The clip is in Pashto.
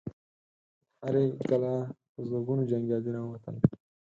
له هرې کلا په زرګونو جنګيالي را ووتل.